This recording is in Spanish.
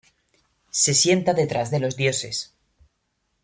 Se sienta detrás de los dioses.